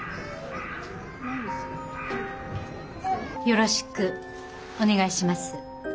よろしくお願いします。